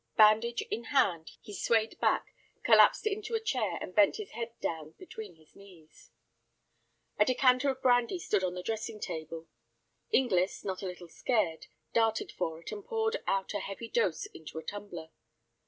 Bandage in hand, he swayed back, collapsed into a chair, and bent his head down between his knees. A decanter of brandy stood on the dressing table. Inglis, not a little scared, darted for it, and poured out a heavy dose into a tumbler.